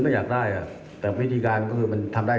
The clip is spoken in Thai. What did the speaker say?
อาจารย์วิทย์สนุกเกลืองามครับ